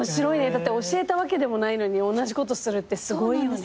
だって教えたわけでもないのに同じことするってすごいよね。